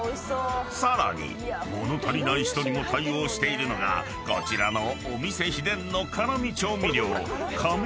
［さらに物足りない人にも対応しているのがこちらのお店秘伝の辛味調味料］